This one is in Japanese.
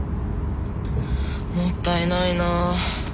もったいないなあ。